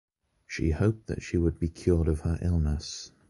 She hoped that she would be cured of her illness.